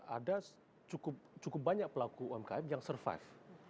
ada cukup banyak pelaku umkm yang survive